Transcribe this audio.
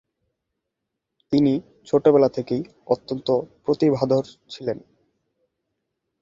তিনি ছোটবেলা থেকেই অত্যন্ত প্রতিভাধর ছিলেন।